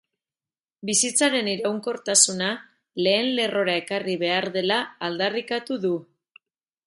Bizitzaren iraunkortasuna lehen lerrora ekarri behar dela aldarrikatu du.